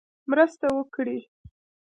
مرسته وکړي.